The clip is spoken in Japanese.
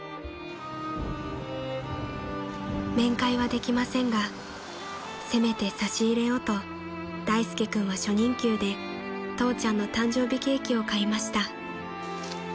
［面会はできませんがせめて差し入れをと大介君は初任給で父ちゃんの誕生日ケーキを買いました］